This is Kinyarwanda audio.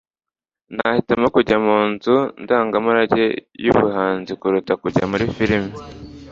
nahitamo kujya mu nzu ndangamurage yubuhanzi kuruta kujya muri firime